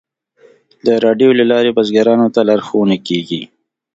د راډیو له لارې بزګرانو ته لارښوونه کیږي.